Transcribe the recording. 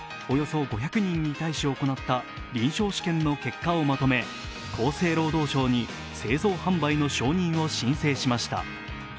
およそ５００人に対し行った臨床試験の結果をまとめ厚生労働省に製造販売の承認を申請しました。